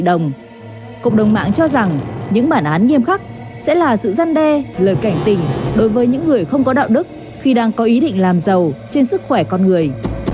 cộng đồng mạng cho rằng những bản án nghiêm khắc sẽ là sự gian đe lời cảnh tình đối với những người không có đạo đức khi đang có ý định làm giàu trên sức khỏe con người